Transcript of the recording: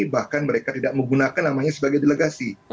bahkan mereka tidak menggunakan namanya sebagai delegasi